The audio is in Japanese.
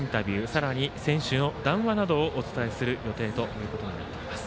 さらに選手の談話などをお伝えする予定となっています。